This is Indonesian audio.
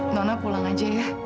nona pulang aja ya